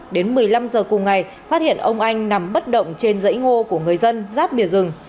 đến một mươi năm h cùng ngày phát hiện ông anh nằm bất động trên dãy ngô của người dân giáp bìa rừng